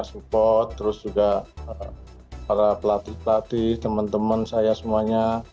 support terus juga para pelatih pelatih teman teman saya semuanya